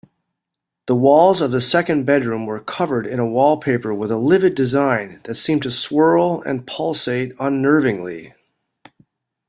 The walls of the second bedroom were covered in a wallpaper with a livid design that seemed to swirl and pulsate unnervingly.